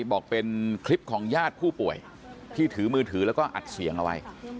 บอกเป็นคลิปของญาติผู้ป่วยที่ถือมือถือแล้วก็อัดเสียงเอาไว้